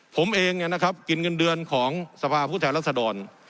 ผมเองเนี่ยนะครับกินเงินเดือนของสภาพผู้แทนรัศดร